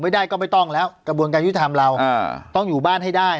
ไม่ได้ก็ไม่ต้องแล้วกระบวนการยุติธรรมเราต้องอยู่บ้านให้ได้